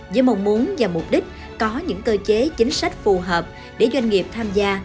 với mong muốn và mục đích có những cơ chế chính sách phù hợp để doanh nghiệp tham gia